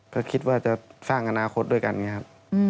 ก็คิดว่าจะสร้างอนาคตด้วยกันไงครับ